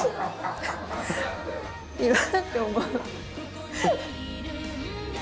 いいなって思う。